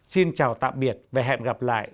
xin chào tạm biệt và hẹn gặp lại